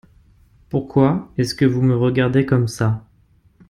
Pourquoi est-ce que vous me regardez comme ça ?